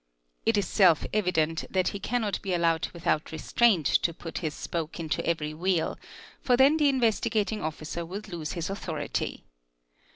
«It is self evident that he cannot be allowed without restraint to put his spoke into every wheel, for then the Investigating Officer would lose his authority.